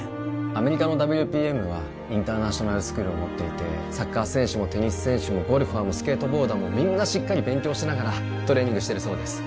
アメリカのＷＰＭはインターナショナルスクールを持っていてサッカー選手もテニス選手もゴルファーもスケートボーダーもみんなしっかり勉強しながらトレーニングしてるそうです